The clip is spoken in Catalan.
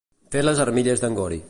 Fer les armilles d'en Gori.